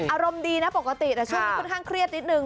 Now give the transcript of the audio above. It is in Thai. อารมณ์ดีนะปกติแต่ช่วงนี้ค่อนข้างเครียดนิดนึง